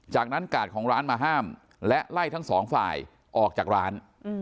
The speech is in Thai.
จากนั้นกาดของร้านมาห้ามและไล่ทั้งสองฝ่ายออกจากร้าน